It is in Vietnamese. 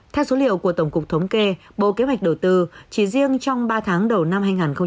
theo số liệu của tổng cục thống kê bộ kế hoạch đầu tư chỉ riêng trong ba tháng đầu năm hai nghìn hai mươi